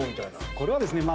これはですねまあ。